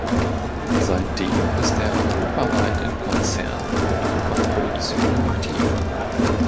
Seitdem ist er europaweit in Konzerten und Opernproduktionen aktiv.